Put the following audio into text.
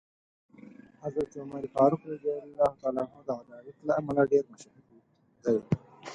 حضرت عمر فاروق رض د عدالت له امله ډېر مشهور دی.